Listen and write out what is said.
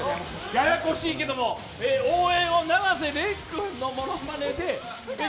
ややこしいけども、応援を永瀬廉君のものまねで。